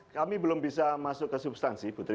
kami belum bisa masuk ke substansi putri